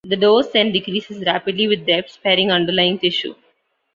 The dose then decreases rapidly with depth, sparing underlying tissue.